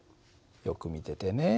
よく見ててね。